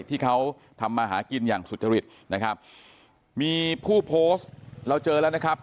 ที่เขาทำมาหากินอย่างสุจริตนะครับมีผู้โพสต์เราเจอแล้วนะครับ